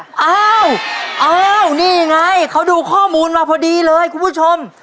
อ้าวอ้าวนี่ไงเขาดูข้อมูลมาพอดีเลยคุณผู้ชม